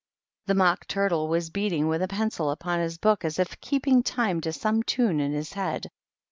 The Mock Turtle was beating with a pencil upon his book, as if keeping time to some tune in his head.